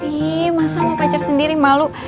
nih masa sama pacar sendiri malu